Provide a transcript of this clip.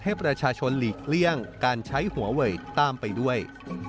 ให้ประชาชนหลีกเลี่ยงการใช้หัวเวยตามไปด้วย